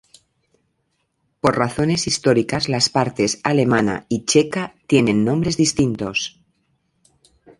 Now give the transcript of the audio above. Por razones históricas, las partes alemana y checa tienen nombres distintos.